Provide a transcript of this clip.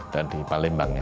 dan di palembang ya